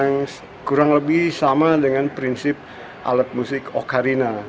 dan juga memiliki volume yang kurang lebih besar dari perintah yang kita dapatkan dari alat musik ocarina